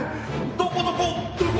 どこどこ！